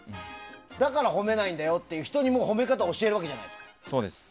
だから、褒めないんだよっていう人にも褒め方を教えるわけじゃないですか。